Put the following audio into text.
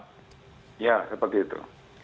iya seperti itu